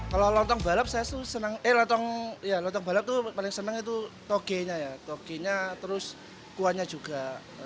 kalau lontong balap saya tuh senang eh lontong balap tuh paling senang itu toge nya ya toge nya terus kuahnya juga